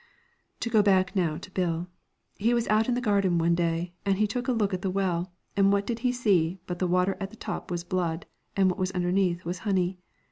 To go back now to Bill. He was out in the garden one day, and he took a look at the well, and what did he see but the water at the top was blood, and what was underneath was honey.